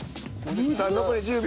残り１０秒。